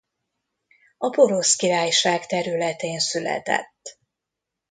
A Porosz Királyság területén született.